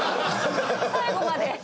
最後まで。